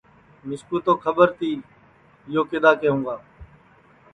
مِسکُو تو کھٻر تی یو اِدؔا کیہوں گا